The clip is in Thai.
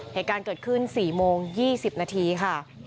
เหตุการณ์เกิดขึ้น๔โมง๒๐นาทีค่ะ